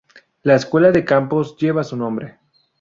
La escuela de Campos lleva su nombre.